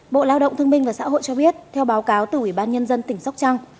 bộ lao động thương minh và xã hội cho biết theo báo cáo từ ủy ban nhân dân tỉnh sóc trăng